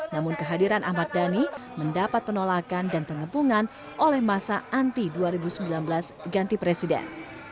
namun kehadiran ahmad dhani mendapat penolakan dan pengepungan oleh masa anti dua ribu sembilan belas ganti presiden